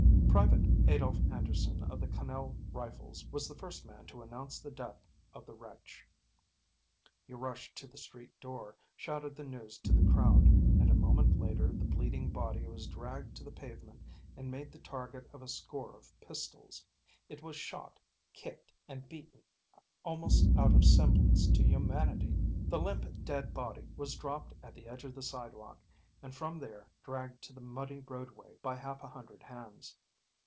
Private Adolph Anderson of the Connell Rifles was the first man to announce the death of the wretch. He rushed to the street door, shouted the news to the crowd, and a moment later the bleeding body was dragged to the pavement and made the target of a score of pistols. It was shot, kicked and beaten almost out of semblance to humanity.... The limp dead body was dropped at the edge of the sidewalk and from there dragged to the muddy roadway by half a hundred hands.